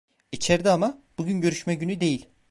İçerde ama, bugün görüşme günü değil.